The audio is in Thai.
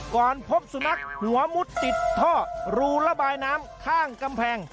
พบสุนัขหัวมุดติดท่อรูระบายน้ำข้างกำแพง